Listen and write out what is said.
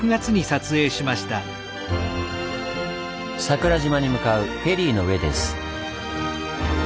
桜島に向かうフェリーの上です。